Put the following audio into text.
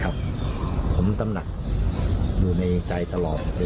เพื่อปลูกการเชื่อมที่ถ่ายเด้อ